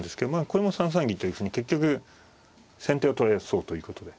これも３三銀というふうに結局先手を取れそうということで。